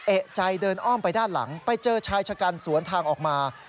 เอกใจเดินอ้อมไปด้านหลังไปเจอชายชะกันสวนทางออกมา